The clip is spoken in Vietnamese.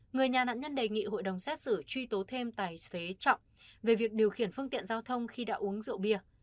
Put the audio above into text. người nhà nạn nhân đề nghị hội đồng xét xử truy tố thêm tài xế trọng về việc điều khiển phương tiện giao thông khi đã uống rượu bia